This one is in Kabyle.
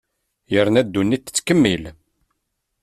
Yerna ddunit tettkemmil.